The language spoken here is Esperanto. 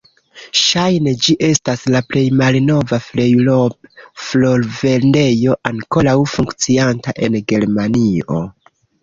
Ŝajne ĝi estas la plej malnova "Fleurop"-florvendejo ankoraŭ funkcianta en Germanio.